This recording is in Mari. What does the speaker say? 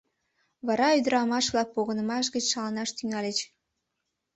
Вара ӱдырамаш-влак погынымаш гыч шаланаш тӱҥальыч.